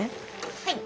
はい！